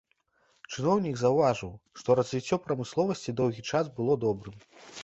Чыноўнік заўважыў, што развіццё прамысловасці доўгі час было добрым.